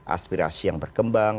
aspirasi yang berkembang